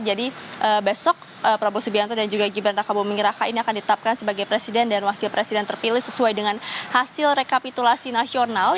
jadi besok prabowo subianto dan juga gibraltar kabupaten mengeraka ini akan ditetapkan sebagai presiden dan wakil presiden terpilih sesuai dengan hasil rekapitulasi nasional